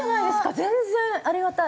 全然ありがたい！